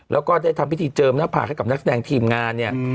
แล้วก็ได้ทำพิธีเจิมหน้าผากให้กับนักแสดงทีมงานเนี่ย